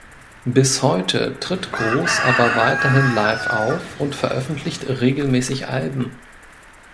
Bis heute tritt Gross aber weiterhin live auf und veröffentlicht regelmäßig Alben.